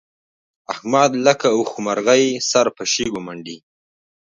احمد لکه اوښمرغی سر په شګو منډي.